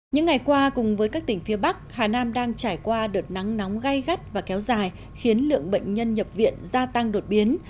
những ngày qua cùng với các tỉnh phía bắc hà nam đang trải qua đợt nắng nóng gây gắt và kéo dài khiến lượng bệnh nhân nhập viện gia tăng đột biến